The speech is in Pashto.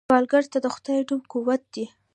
سوالګر ته د خدای نوم قوت دی